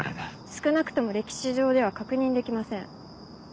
少なくとも歴史上では確認できません。